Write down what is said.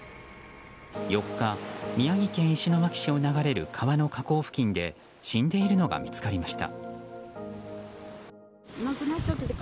４日、宮城県石巻市を流れる川の河口付近で死んでいるのが見つかりました。